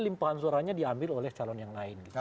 limpahan suaranya diambil oleh calon yang lain